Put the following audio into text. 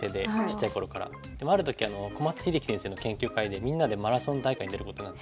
でもある時小松英樹先生の研究会でみんなでマラソン大会に出ることになって。